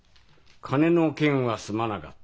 「金の件はすまなかった」。